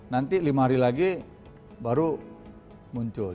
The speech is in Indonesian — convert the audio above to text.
nanti lima hari lagi baru muncul